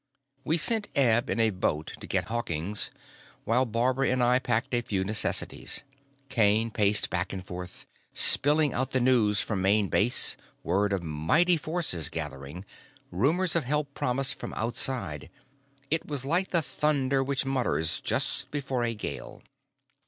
We sent Eb in a boat to get Hawkins while Barbara and I packed a few necessities. Kane paced back and forth, spilling out the news from Main Base, word of mighty forces gathering, rumors of help promised from outside, it was like the thunder which mutters just before a gale.